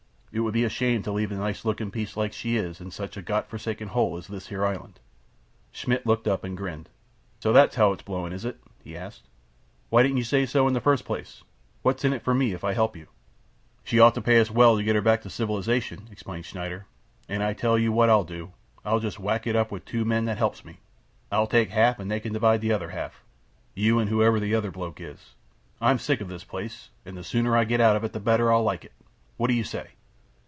It would be a shame to leave a nice lookin' piece like she is in such a Gott forsaken hole as this here island." Schmidt looked up and grinned. "So that's how she's blowin', is it?" he asked. "Why didn't you say so in the first place? Wot's in it for me if I help you?" "She ought to pay us well to get her back to civilization," explained Schneider, "an' I tell you what I'll do. I'll just whack up with the two men that helps me. I'll take half an' they can divide the other half—you an' whoever the other bloke is. I'm sick of this place, an' the sooner I get out of it the better I'll like it. What do you say?"